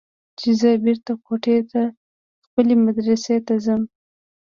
چې زه بېرته کوټې ته خپلې مدرسې ته ځم.